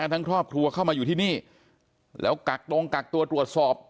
ทั้งครอบครัวเข้ามาอยู่ที่นี่แล้วกักตรงกักตัวตรวจสอบ